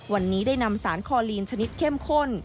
วันนี้ได้นำสารคอลีนชนิดเข้มข้น